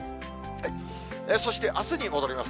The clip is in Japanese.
そしてあすに戻ります。